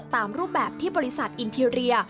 ตามรูปแบบที่บริษัทอินทีเรีย